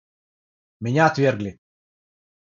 Меня отвергли.